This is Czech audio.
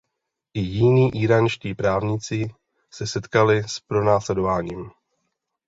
I jiní íránští právníci se setkali s pronásledováním.